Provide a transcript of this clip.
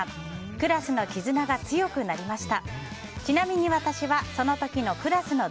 クラスの絆が強くなりました。